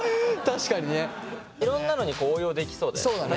いろんなのに応用できそうだよね。